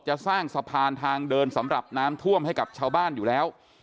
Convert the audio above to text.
จะสร้างสะพานทางเดินสำหรับน้ำท่วมให้กับชาวบ้านอยู่แล้ว